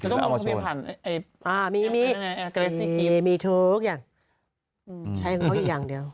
ใช่ของเขาอย่างเดียว